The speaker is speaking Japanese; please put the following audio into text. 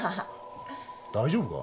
大丈夫か？